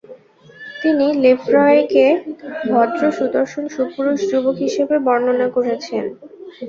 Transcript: তিনি লেফ্রয়কে ভদ্র, সুদর্শন, সুপুরুষ যুবক হিসাবে বর্ণনা করেছেন।